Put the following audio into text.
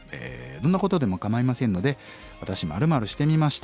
どんなことでも構いませんので「わたし○○してみました」